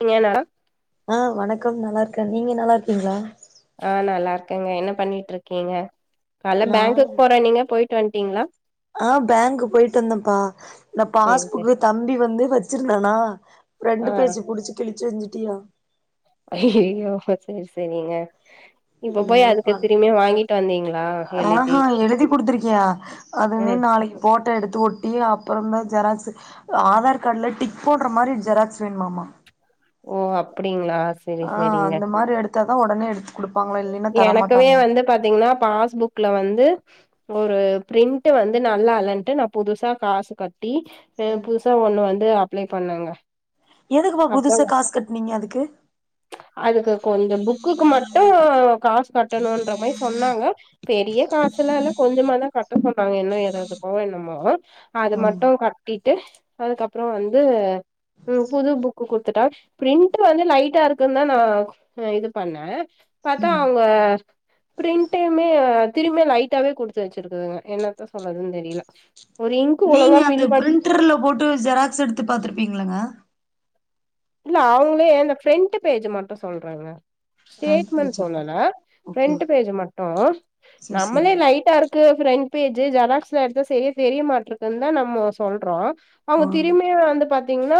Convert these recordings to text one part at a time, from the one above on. நீங்க ஆ வணக்கம் நல்லா இருக் நீங்க நல்லா இருக்கீங்களா ஹ் நல்லா இருக்கங்க. என்ன பண்ணிட்டு இருக்கீங்க கால்ல பேங்க்குக் போறேனீங்க போய் ட்டு வண்ட்டிங்ளா ஆஹ் பேங்க்கு போய்ட்டு வந்தப்பா. ந சேரி சேரி பாஸ்புக்கு தம்பி வந்து வச்சிருந்தனா, ஆ ரெண்டு பேஜு புடிச்சுகிளி செஞ்சிட்டியா. அய்யய்யோ சேரி சேரிங்க. இப்ப போய் அதுக்கு திரும்பியு வாங்கிட்டு வந்தீங்களா எழுதி ஆஹ்ஹா எழுதி குடுத்துருக்கியா அதூமே ம் நாளைக்கு போட் டா எடுத்து ஒட்டி அப்புறந்தா ஜெராக்ஸ் ஆதார் காட்ல டிக் போட்ற மாரி ஜெராக்ஸ் வேண்மாமா. ஓ அப்டீங்ளா செரி சேரிங்க தாதா ஒடனே எடுத்து குடுப் எனக்குவே வந்து பாத்தீங்ன்னா பாஸ்புக்ல வந்து ஒரு பிரிண்ட் வந்து நல்லா இல்லன்ட்டு நான் புதுசா காசு கட் டி புதுசா ஒண்ணு வந்து அப் அப்ளே பண்ணங்க எதுக்குப்பா அப்ப புதுசா காசு கட்னீங்க அதுக்கு அதுக்கு கொஞ்சோ புக்குக்கு மட்டூ காஸ் கட்டணுன்ற மாரி சொன்னாங்க பெரிய காசுலா எல்லா கொஞ்சமா தா கட்ட சொன்னாங்க இன்னு ஏறதுக்கோ என்னமோ. அது ம் மட்டு கட்டிட்டு அதுக்கப்புறோ வந்து புது புக்கு குடுத்துட்டா. பிரிண்ட் வந்து லைட்டா இருக்குன்தா நா இது பண்ணே [unintelligible] ம் அவுங்க ப்ரீண்டிமே திரும்ப லைட்டாவே குடுத்து வச்சிருக்குதுங்க என்னத்த சொல்லறதுன்னு தெரில ஒரு இங்க்கு நீங்க ஒழுங்கா அந்த ஃபில் பண் பிரிண்டர்ல போட்டு ஜெராக்ஸ் எடுத்து பாத்துருப்பீங்கல்லங்க இல்ல அவுங்களே அந்த ஃப்ரண்ட்டு பேஜு மட்டு சொல்றாங்க. ஃப்ரண்ட் ஸ்டேட்மெண்ட் பேஜா சொல்லல ஓகே ஃப்ரண்ட் ஓகே பேஜ் மட்டு சரி சரி நம்மளே லைட்டா இருக்கு ஃப்ரென்ட் பேஜு ஜெராக்ஸ் தா எடுத்த செரியா தெரிய மாட்ருக்குன்தா நம்ம சொல்றோ. ஆ அவங்க திரும்மியு வந்து பாத் தீங்னா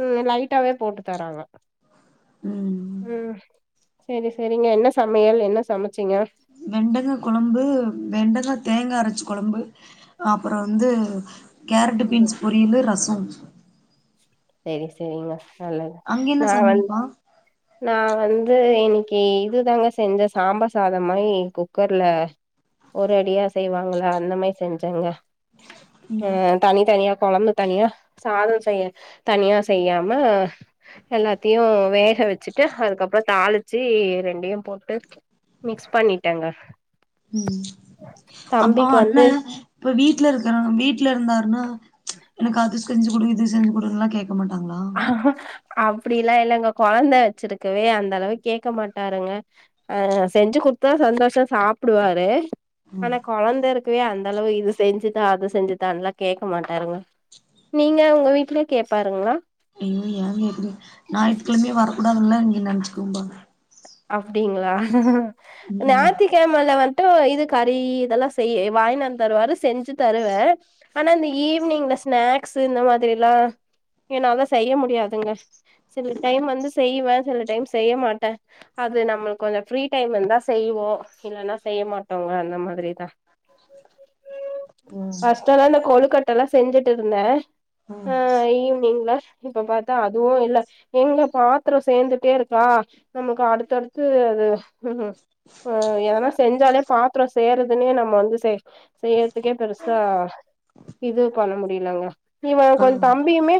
ம் லைட்டாவே போட்டு தராங்க. ம் உம் சரி சேரிங்க என்ன சமயல்? என்ன சமச் வெண்டங்கா கொழம்பு வெண்டங்கா தேங்கா அரச்சு கொழம்பு அப்பறோ வந்து கேரட்டு ம் பீன்ஸ் பொரியலு ரசம் செரி செரிங்க நல்லது அங்க என்ன நா வந் சமையல்ப்பா நா வந்து இன்னிக்கு இதுதாங்க செஞ்ச சாம்பார் சாதம் மாதிரி குக்கர்ல ஒரு அடியா செய்வாங்களா அந்த மாதிரி செஞ்சேங்க உம் தனி தனிய கொழம்பு தனியா சாதம் செய்ய தனியா செய்யாம எல்லாத்தியு வேக வ ச்சுட்டு அதுக்கப்றோ தாளிச்சு ரெண்டையு போட்டு மிக்ஸ் பண்ணிட்டேங்க உம் ஆ தம்பிக்கு அண்ண வந்து இப்ப வீட் ல இருக்கறனா வீட்ல இருந்தாருன்னா என்னகு அது செஞ்சுடு இது செஞ்சு குடுலா கேட் அப் டில்லாம் இல்லங்க கொழந்த வச்சிருக்கவே அந்த அளவு கேட்க மாட்டாருங்க அஹ் செஞ்சு குத்தா சந்தோஷம் சாப்பிடுவாரு ம். ஆனா கொழந்த இருக் குவே அந்த அளவு இது செஞ்சுதா அது செஞ்சுதால்லாம் கேட்க மாட்டாருங்கள நீங்க உங்க வீட்டுல கேப்பாருங்களா ஐயோ ஏங்க இப்டி ஞாயித்தி கிழமயே வரக்கூடாதுல்ல இங்க நினைச்சுக்கோபா அப்டிங்களா ம் ஞாயாத்திக்கிழமை ல ட்டோ இது கறி இதெல்லாம் செய்ய வாங்கினான் தருவாார் செஞ்சு தருவேன் ஆனால் அந்த ஈவினிங்ல ஸ்நாக்ஸ் இந்த மாதிரிலாம் என்னால தான் செய்ய முடியாதுங்க சில டைம் வந்து செய்வேன் சில டைம் செய்ய மாட்டேன் அது நம்மளு கொஞ்சம் ஃப்ரீ டைம் இருந்தா செய்வோம் இல்லன்னா செய்ய மாட்டோங்க அந்த மாதிரிதான் ம் பர்ஸ்ட் எல்லா இந்த கொழுக்கட்ட எல்லாம் செஞ்சுட்டு இருந்தேன் ம் ஆஹ் ஈவினிங்ல இப்ப பாத்தா அதுவும் இல்ல எங்க பாத்திரம் சேர்ந்துட்டே இருக்கா நமக்கு அடுத்தடுத்து அது ம் எதனா செஞ்சாலே பாத்திரம் செய்றதுன்னே நம்ம வந்து செய் செய்யறதுக்கே பெருசா இது பண்ண முடியலங்க இவ ஆ கொ தம்பியுமே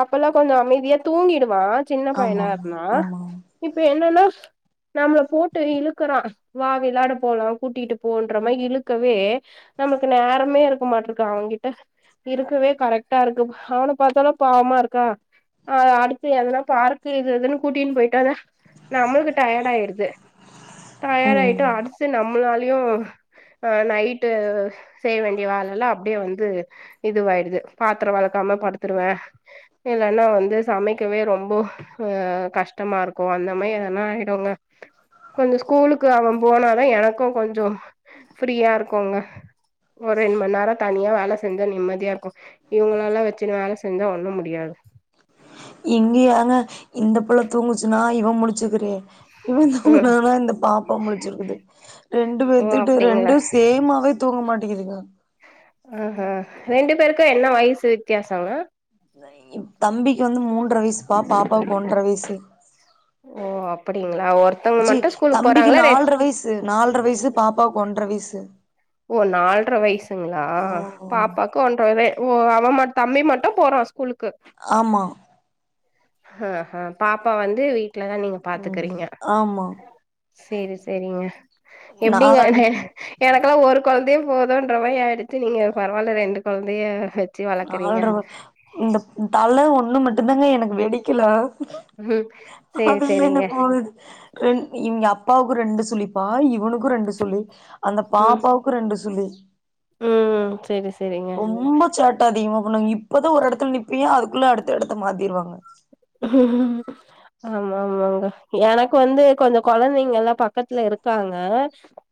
அப்பல்லாம் கொஞ்சம் அமைதியா தூங்கிடுவான் சின்ன ஆமா பையனா ஆமா இருந்தா ஆமா இப் ப என்னன்னா நம்மள போட்டு இழுக்கறான் வா விளாட போலாம் கூட்டிட்டு போன்ற மாரி இழுக்கவே நம்மக்கு நேரமே இருக்க மாட்டே இருக்க அவன்கிட்ட இருக்கவே கரெக்டா இருக்கு அவன பாத்தாலும் பாவமா இருக்கா அடுத்து எதனா பார்க்கு இது எதுன்னு கூட்டின்னு போயிட்டா நம்மளுக்கு டயர்ட ஆயிட்றது டயர்ட் ம் ஆயிட்டு அடுத்து நம்மளாலயும் அஹ் நைட்டு செய்ய வேண்டிய வேல எல்லாம் அப்படியே வந்து இதுவாயிடுது பாத்திரம் வெளக்காம படுத்துருவேன் இல்லன்னா வந்து சமைக்கவே ரொம்ப அ கஷ்டமா இருக் கு அந்த மாரி அதுனா ஆயடுங்க கொஞ்சம் ஸ்கூலுக்கு அவன் போனாதான் எனக்கும் கொஞ்சம் ஃப்ரீயா இருக்குங்க ஒரு ரெண்டு மணி நேரம் தனியா வேல செஞ்ச நிம்மதியா இருக்கும் இவங்கள எல்லாம் வச்சுன்னு வேல செஞ்சா ஒண்ணும் முடியாது இங்கயாங்க இந்த பிள்ள தூங்குச்சு நான் இவன் முழிச்சுக்கிறே இவன் ம் தனா இந்த பாப்பா முழிச்சிருக்குது ரெண்டு ஓ பேத்துக்கட்டு அப்டிங்களா ரெண்டும் சேமாவே தூங்க மாட் டேங்குதுங்க ஆஹ் ஹா ரெண்டு பேருக்கும் என்ன வயசு வித்தியாசங்க தம்பிக்கு வந்து மூன்ற வயசு பா பாப்பாவுக்கு ஒன்ற வயசு ஓ அப்டிங்களா ஒருத்தவங்க ஜி மட்டு ஸ்கூலுக்கு தம்பிக்கு போறாங்களா ரெ நால்ற வயசு நால்ற வயசு பாப்பாவு ஒன்ற வயசு ஓ நால்ற வயசுங்களா ஆ பாப்பாக்கு ஒன்ற வயது ஓ அவன் மட்ட தம்பி மட்டும் போறான் ஸ்கூலுக்கு ஆமா அஹ் அஹ் பாப்பா வந்து வீ ட்டுல தான் நீங்க ம் பாத்துக்கறீங்க ஆமா சேரி சேரிங்க எப்படிங்க நாளான்னைக்கு எனக்கு ஒரு குழந்தைய போதும்ன்ற மாதிரி ஆயிடுச்சி நீங்க பரவாயில்ல ரெண்டு குழந்தைய நாலு ரப இந்த தல ஒண்ணு ஒன்னு மட்டு்தாங்க எனக்கு வெடிக்கல உம் சேரி அதுமே சேரிங்க எனக்கு போகுது ரெண் இவங்க அப்பாவுக்கும் ரெண்டு சுலிப்பா இவனுக்கும் ரெண்டு சுலி அந்த பாப்பாவுக்கு ரெண்டு சுலி உ உம் சேரி சே ரொம்ப சேட்ட அதிகமா பன்னு இப் இப்பதா ஒரு எடத்துல நிப்பியா அதுக் அத்துக்குள்ள அடுத்த எடத்த மாத்திருவாங்க ஆமா ஆமாங்க எனக்கு வந்து கொஞ்ச கொழந்தைங்க எல்லா பக்கத்துல இருக்காங்க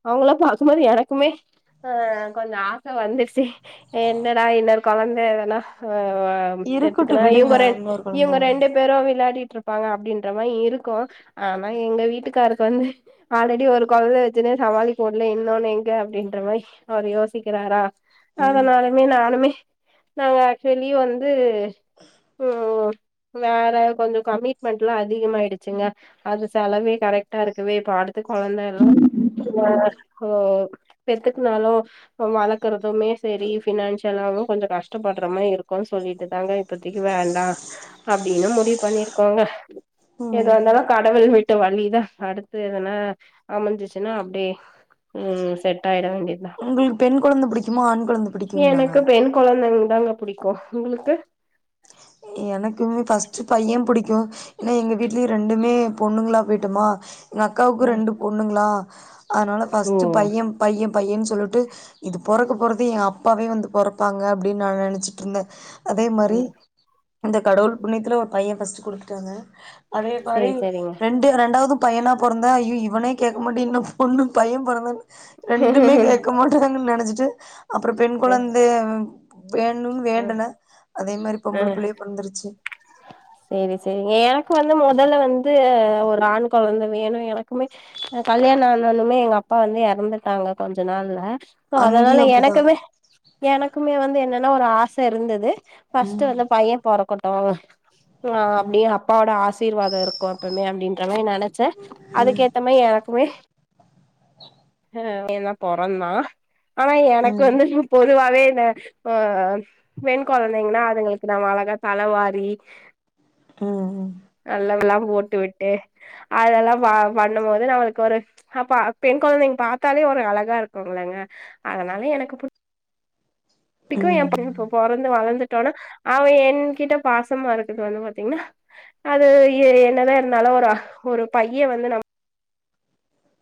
அவங்கள பாக்கும்போது எனக்குமே அஹ் கொஞ்ச ஆசை வந்துச்சு என்னடா இன்னொரு கொழந்த இதனா வேண் ஓ இருக்கட்டு பெத்துக்கனா விடுங்க இவங்க ர இன்னொரு கொழந்த இவங்க ரெண்டு விளாயாடிட்டு இருப்பாங்க அப்டின்ற மாரி இருக்கு ஆனா எங்க வீட்டுக்காருக்கு வந்து ஆல்ரெடி ஒரு கொழத வச்சுன்னே சமாளிக்க முடல இன்னொன்னு எங்க அபடின்ற மாரி அவர் யோசிக்கிறாரா ம் அதனாலுமே நானுமே நாங்க ஆக்சுலி வந்து ஹம் வேற கொஞ்ச கமிட்மெண்ட்ல்லா அதிகமயிடுச்சுங்க அது செலவே கரெக்ட்டா இருக்குவே இப்ப அடுத்த கொழந்த எல்லா [unintelligible] பெத்துக்குனாலு வளக்குறதுமே சரி பினான்சியலாவு கொஞ்ச கஷ்டப்படுற மாதிரிருக்கு சொல்லிட்டு தாங்க இப்பதிக்கு வேண்டா அப்டின்னு முடிவு பண்ணிருக்கோங்க எது ம் இருந்தாலு கடவுள் விட் ட வழி தா அடுத்து எதனா அமைஞ்சிச்சுன்னா அப்டியே ம் செட் ம் ஆயிட வேண்டியதா உங்களுக்கு பெண் குழந்து பிடிக்குமா ஆண் கொழந்த புடிக்குங்களாங்க எனக்கு பெண் குழந்தைங்க தாங்க பிடிக்கு உங்களுக்கு எனக்குமே ஃபஸ்ட்டு பைய புடிக்கு ஏன்னா எங்க வீட்லயு ரெண்டுமே பொண்ணுங்களா போயிட்டோமா எங்க அக்காவுக்கு ரெண்டு பொண்ணுங்களா அதனால ஓ ஃபர்ஸ்ட்டு பைய பைய பையன்னு சொல்லிட்டு இது பொறக்க போறது ஏ அப்பாவே வந்து பொறப்பாங்க அப்டின்னு நா நெனைச்சிட்ருந்தே அதே மாரி ம் இந்த கடவுள் புண்ணியத்துல ஒரு பைய ஃபஸ்டு ஸ்கூலு [unintelligible] டங்க அதே மாரி சேரி சேரிங்க ரெண்டு ரெண்டாவது பையனா பெறந்தா ஐயோ இவனே கேட்க மாட்டீனா இன்னும் பொண்ணு பைய பிறந்த ரெண்டுமே கேட்க மாட்டுறாங்க நென வச்சுட்டு அப்புற பெண் ம் குழந்தை ம் வேணும்ன்னு ம் வேண்டன அதே மாரி ஆ பொம்பள புள்ளையே பொறந்துருச்சி ம் சேரி சேரிங்க எனக்கு வந்து மொதல்ல வந்து ஒரு ஆண் கொழந்த வேணும் எனக்குமே ஆ கல்யாண ஆண உண்னுமே எங்க அப்பா வந்து எறந்துட்டாங்க கொஞ்ச நாள்ல சோ அதனால அங்கேயு அப்டிதா எனக்குமே எனக்குமே வந்து என்ன என்ன ஒரு ஆசை இருந்தது ம் ஃபஸ்டு வந்து பையன் பொறக்கனு தாவ ம் அப்பிடியே அப்பாவோட ஆசை சிர்வாதம் இருக்கும் எப்போமே அப்பிடின்ற மாரி நென சே அதுக்க ஏத்த மாரி எனக்குமே ஆ பையன் தான் பொறந்தான் ஆனா எனக்கு ம் வந்து பொ பொதுவாவே இந்த ஆ பெண் கொழந்தைங்கன்னா அதுங்களுக்கு நாம அழகா தலவாரி ம் நல்லவெல்லாம் போட்டு விட்டு அதெல்லாம் பா பண்ணும் போது நம்மளுக்கு ஒரு ஹப்பா பெண் கொழந்தைங்க பாத்தாலே ஒரு அழகா இருக்கும்ங்களங்க அதனால எனக்கு புடி பிக்கும் ம் என் பையன் பொறந்து வளந்து தொல அவன் என்கிட்ட பாசமா இருக்குது வந்து பாத்தீங்கன்னா அது எ என்னதான் இருந்தாலும் அது ஒரு பைய வந்து நம்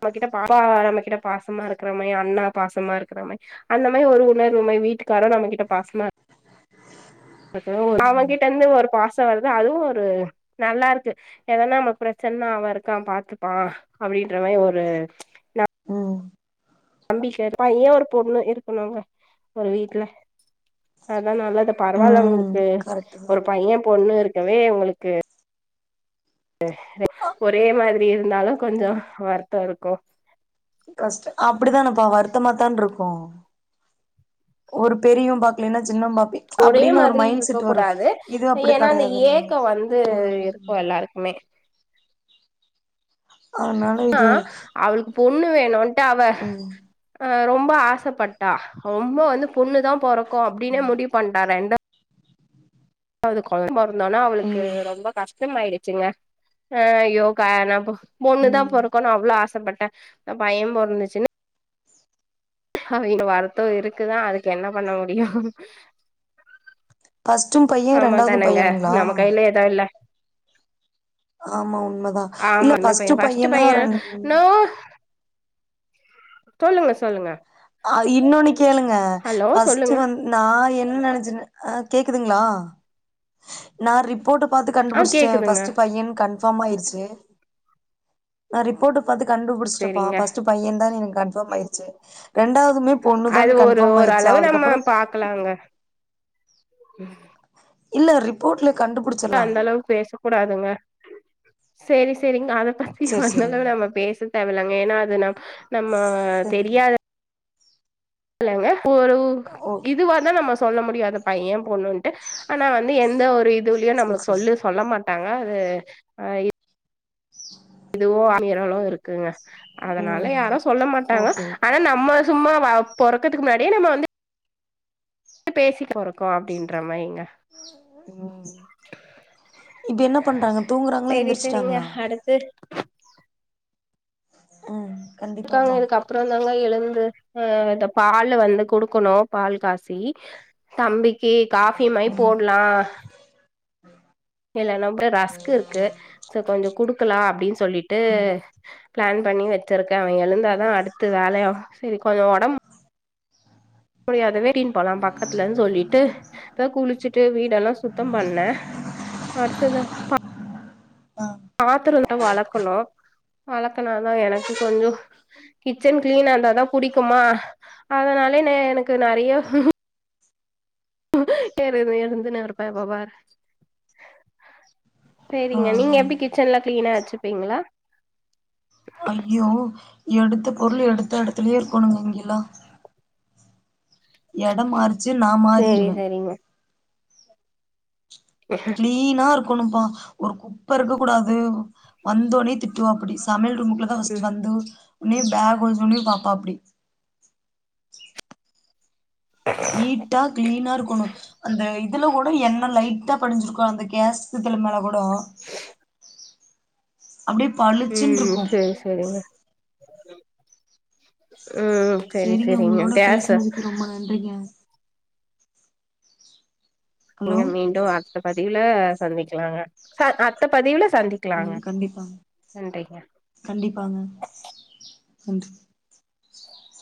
நம்ம கிட்ட பா நம்ம கிட்ட பாசமா இருக்கிற மாரி அண்ணா பாசமா இருக்குறா மாறி அந்த மாரி ஒரு ஊர்ல நம்ம வீட்டுக்கார நம்ம கிட்ட பாசமா இருக்க அவன் கிட்ட இருந்து ஒரு பாசம் வருது அதுவும் ஒரு நல்லா இருக்கு எதன்னா நம் பிரச்சனைன்னா அவ இருக்கான் பாத்துப்பான் அப்பிடின்ற மாரி ஒரு ந ம் ம் தம்பி கேப்பான் ஏன் ஒரு பொண்ணு இருக்கணும்ங்க ஒரு வீட்ல அதான் நல்லது பரவால்ல ம் க்கு கரெக்ட்டு தா ஒரு பையன் பொண்ணு இருக் இதுவே உங்களுக்கு ம் ஒரே மாரி எப்பிடி இருந்தாலும் கொஞ்சம் வருத்தம் இருக்கு கஷ்ட அப்பிடித்தானப்பா வருத்தமாதான் இருக்கும் ஒரு பெரியும் பாக்கலன்னா சின்னவ பாப்பி ஒரே அப்டின்னு ஒரு மாதிரி மைண்ட் இருக்க செட் வரு கூடாது இது அப்டி ஏன்னா அந்த கெடையாதுல்ல ஏக்கோ வந்து இருக்கு ம் எல்லாருக்குமே அதனால ஆ இது அவளுக்குப் பொ ண்ணு வேணு ட்டா அவ ம் ரொம்ப ஆசைப்பட்டா ரொம்ப வந்து பொண்ணு தா பொறக்கு அப்டினே ம் முடிவு பண்ட்டா ரெண்டு [unintelligible] இருந்தனோ அவளுக்கு ம் ரொம்ப கஷ் டம்மாயிடுச்சுங்க ஆ அய்யோ கா ஆனா போ பொண்ணு தா ம் பொறக்குனு அவ்ளோ ஆசப்பட்டு பைய பொறந்துச்சுன்னு அவே இன்னு வருத்த இருக்கு தா அதுக்கு என்ன பண்ண முடியு ஃபர்ஸ்ட்டு பையே ஆமா ரெண்டாவது தானங்க பையனுங்களா நம்ம கையில எதுவு இல்ல ஆமா உண்மதா இல்ல ஆமாமே ஃபர்ஸ்ட் பைய பையனா பைய ரெண் நோ சொல்லுங்க சொல்லுங்க ஆஹ் இன்னொன் கேளுங்க ஹலோ ஃபர்ஸ்ட் சொல்லுங்க வந்து நா என் ன நெனச் ஆஹ் கேக்குதுங்களா நா ரிப்போர்ட் பாத்து ஆ கண்டுபுடிச்ட கேக்குதுங்க ஃபர்ஸ்ட் பையே கன் ஃபார்ம் ஆயிருச்சு நா ரிப்போர்ட பாத்து கண்டுபுடிச்சுட்டப்பா சரிங்க ஃபர்ஸ்ட்டு பைய தா கன்ஃபார்ம் ஆயிருச்சு ரெண்டாவதுமே பொண்ணு அது தான் ஒரு கன்ஃபார்ம் ஆயிருச்சு ஓரளவு நம்ம அதுக்கப்புறோ பாக்கலாங்க இல்ல ரிப்போட்ல அந்த அளவுக்கு பேச கூடாதுங்க செரி செரிங்க அத சேரி அந்தளவு சேரிங்க நம்ம பேச தேவலங்க ஏன்னா அது நம் நம்ம சரிங்க தெரியாத ல்லங்க ஒரு ஓகே இதுவா தா நம்ம சொல்ல முடியு அத பைய பொண்ணுன்ட்டு ஆனா வந்து எந்த ஒரு இது லயு சேரி நமக்கு சேரி சொல்லு சொல்ல மாட் ட்டாங்க அது ஆஹ் இதுவு ஆயரலு இருக்குங்க அதனால ம் யாரு சொல்ல மாட்டாங்க ஓகே ஆனா நம்ம சும்மா பொறக்கறதுக்கு முன்னாடியே நம்ம வந்து பேசிக்க போறக்கு அப்படின்றமாிங்க இப்ப என்ன பண்றாங்க தூங்குறாங்களா சேரி எந்திர் சேரிங்க ச்சுட்டாங்களா அடுத்து ம் இருக்காங்க கண்டிப்பாப்பா இதுக்க அப்ரோ தாங்க எழுந்து ஆஹ் இத பால் வந்து குடுக்கணு பால் காசி தம்பி டீ காபி மாரி போடலா இல்ல நம ரஸ்க் இருக்கு சோ கொஞ்சோ குடுக்கலா அப்படின்னு சொல்லிட்டு பிளான் பண்ணி வச்சிருக் அவன் எழுந்தாதான் அடுத்து வேலையாகு கொஞ்சஒடம் மு முடியாதுனு கிளீன் பண்லா பாத்தா பக்கத்துலன்னு சொல்லிட்டு போய் குளிச்சுட்டு வீடெல்லாம் சுத்தம் பண்ணேன் அடுத்தத ஆ பாத்திரம் தா வெளக்கணு வளக்குனாதான் எனக்கு கொஞ்ச கிச்சன் கிளீனா இருந்தாதான் புடிக்குமா அதனாலே எனக்கு நிறைய என வேணுந்தன வெறுப்ப இப்ப பாரு ஆ சரிங்க நீங்க ஆ எப்படி கிச்சன்லாம் கிளீனாச்சு ப்பீங்களா ஐயோ எடுத்த பொருள் எடுத்த இடத்துலயே இருக்கணுங்க இங்கல்லா இடம் மாறிச்சு நான் சேரி மாறிருவேன் சேரிங்க கிளீனா இருக்கு கொணும்ப்பான் ஒரு குப்பை இருக்க கூடாது வந்தோனே திட்டுவாப்டி சமையல் ஒரு [unintelligible] ம் வந்து உன்னே பேக்ன்னே பாப்பாப்ட்டி நீட்டா கிளீனா இருக்கணு அந்த இதுல கூட எண்ண லைட்டா படிஞ்சிருக்கு அந்த கேஸ்தில மேல கூட அப்படியே பழிச்சுன் இருக்கு ஹ சரிங்க உங்களோட பேசுனதுக்கு ரொம்ப நன்றிங்க ஹலோ நீங்க மீண்டும் அடுத்த பதி ச சந்திக்கலாங்க உம் கண்டிப்பாங்க நன்றி கண்டிப்பாங்க நன்றி